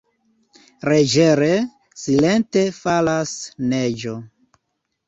Leĝere, silente falas neĝo.